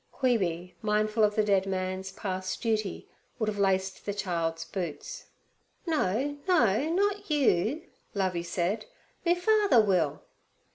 Queeby, mindful of the dead man's past duty, would have laced the child's boots. 'No, no, not you,' Lovey said; 'me father will.